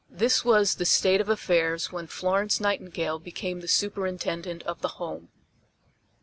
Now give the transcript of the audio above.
This was the state of affairs when Florence Nightingale became the Superintendent of the Home.